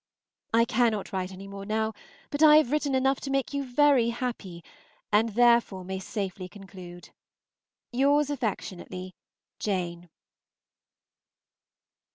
I cannot write any more now, but I have written enough to make you very happy, and therefore may safely conclude. Yours affectionately, JANE.